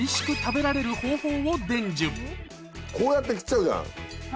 こうやって切っちゃうじゃん。